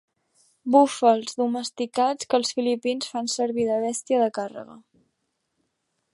Búfals domesticats que els filipins fan servir de bèstia de càrrega.